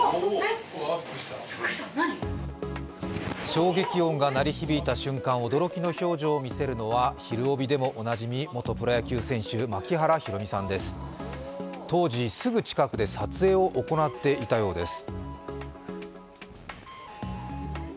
衝撃音が鳴り響いた瞬間驚きの表情を見せるのは「ひるおび」でもおなじみ、元プロ野球選手、槙原寛己さんです当時、すぐ近くで撮影を行っていたようです。